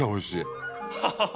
ハハハ！